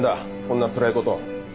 こんなつらいこと。